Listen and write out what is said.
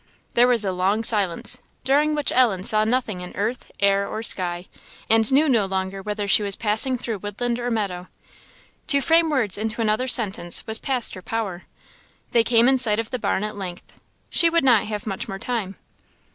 There was a long silence, during which Ellen saw nothing in earth, air, or sky, and knew no longer whether she was passing through woodland or meadow. To frame words into another sentence was past her power. They came in sight of the barn at length. She would not have much more time.